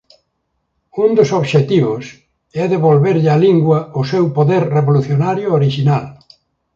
Un dos seus obxectivos é devolverlle á lingua o seu poder revolucionario orixinal.